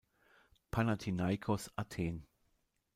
Panathinaikos Athen